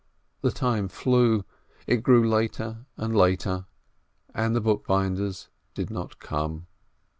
The time flew, it grew later and later, and the book binders did not come.